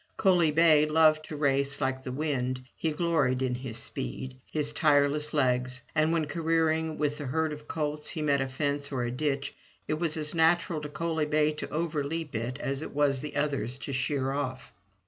Coaly bay loved to race like the wind, he gloried in his speed, his tireless legs, and when careering with the herd of colts he met a fence or ditch, it was as natural to Coaly bay to overleap it, as it was for the others to sheer off.